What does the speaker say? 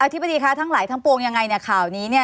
ธิบดีคะทั้งหลายทั้งปวงยังไงเนี่ยข่าวนี้เนี่ย